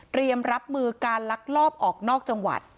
รับมือการลักลอบออกนอกจังหวัด